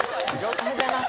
おはようございます